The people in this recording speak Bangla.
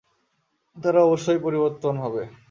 তারা অবশ্যই পরিবর্তন হবে।